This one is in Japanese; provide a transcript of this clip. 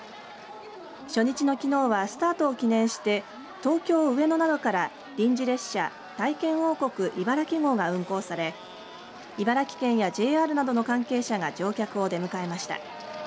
初日のきのうはスタートを記念して東京上野などから臨時列車体験王国いばらき号が運行され茨城県やＪＲなどの関係者が乗客を出迎えました。